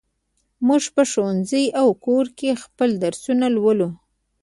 موږ په ښوونځي او کور کې خپل درسونه لولو.